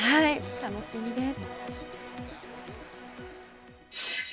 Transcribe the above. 楽しみです。